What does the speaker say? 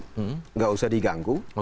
tidak usah diganggu